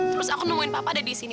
terus aku nemuin papa ada disini